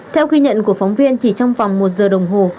theo một số phóng viên chỉ trong vòng một giờ đồng hồ